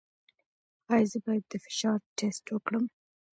ایا زه باید د فشار ټسټ وکړم؟